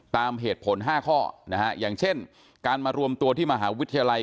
ตามเหตุผล๕ข้อนะฮะอย่างเช่นการมารวมตัวที่มหาวิทยาลัย